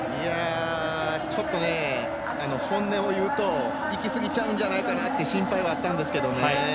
ちょっと本音を言うと行き過ぎちゃうんじゃないかなと心配はあったんですけどね。